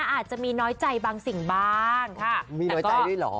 อาจจะมีน้อยใจบางสิ่งบ้างค่ะมีน้อยใจด้วยเหรอ